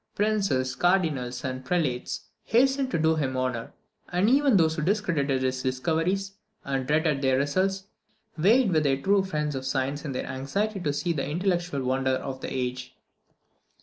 Princes, Cardinals, and Prelates hastened to do him honour; and even those who discredited his discoveries, and dreaded their results, vied with the true friends of science in their anxiety to see the intellectual wonder of the age.